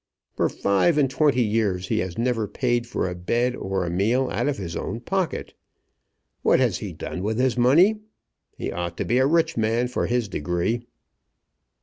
For five and twenty years he has never paid for a bed or a meal out of his own pocket. What has he done with his money? He ought to be a rich man for his degree."